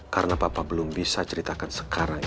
karena papa belum bisa ceritakan sekarang ini